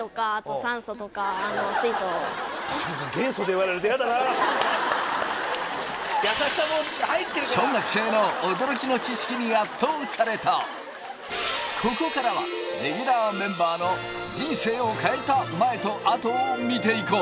まずあの小学生の驚きの知識に圧倒されたここからはレギュラーメンバーのを見ていこう！